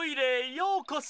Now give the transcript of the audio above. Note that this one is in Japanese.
ようこそ！